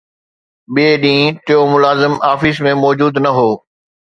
ٻئي ڏينهن، ٽيون ملازم آفيس ۾ موجود نه هو